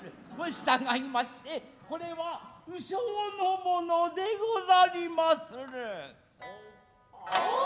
従いましてこれは鵜匠のものでござりまする。